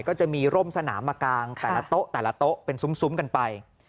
ก็จะมีร่มสนามกลางแต่ละโต๊ะเป็นซุ้มกันไป